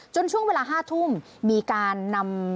ช่วงเวลา๕ทุ่มมีการนำ